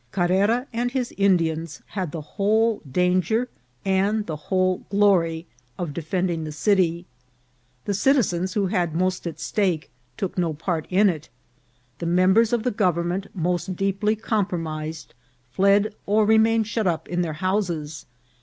Carrera and his Indians had the whole danger and the whole glory of defending the city. The citizens, who had most at stake, took no part in it. The mem bers of the government most deeply compromised fled or remained shut up in their houses.